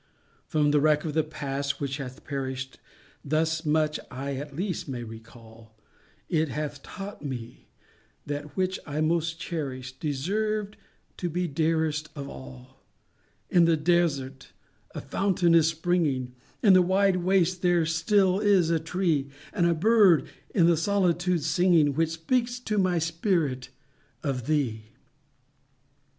_ From the wreck of the past, which bath perished, Thus much I at least may recall, It bath taught me that which I most cherished Deserved to be dearest of all: In the desert a fountain is springing, In the wide waste there still is a tree, And a bird in the solitude singing, Which speaks to my spirit of _thee.